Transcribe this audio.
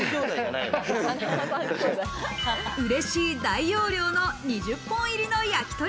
うれしい大容量の２０本入り焼き鳥。